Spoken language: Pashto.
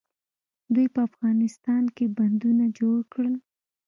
دوی په افغانستان کې بندونه جوړ کړل.